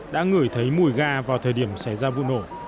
đã ngửi thấy mùi ga vào thời điểm xảy ra vụ nổ